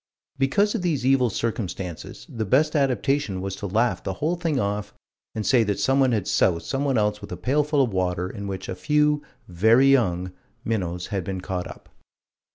Because of these evil circumstances the best adaptation was to laugh the whole thing off and say that someone had soused someone else with a pailful of water in which a few "very young" minnows had been caught up.